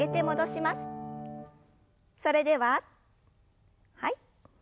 それでははい。